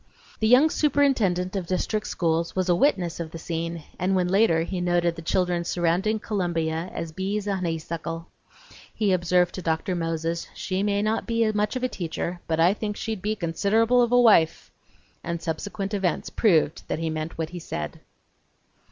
The young superintendent of district schools was a witness of the scene, and when later he noted the children surrounding Columbia as bees a honeysuckle, he observed to Dr. Moses: "She may not be much of a teacher, but I think she'd be considerable of a wife!" and subsequent events proved that he meant what he said!